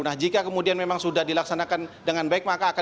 nah jika kemudian memang sudah dilaksanakan dengan baik